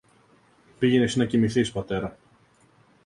Πήγαινε συ να κοιμηθείς, πατέρα